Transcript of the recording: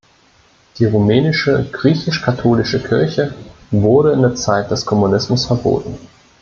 Die Rumänische Griechisch-Katholische Kirche wurde in der Zeit des Kommunismus verboten.